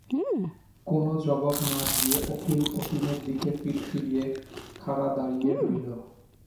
কোনো জবাব না দিয়ে অখিল অতীনের দিকে পিঠ ফিরিয়ে খাড়া দাঁড়িয়ে রইল।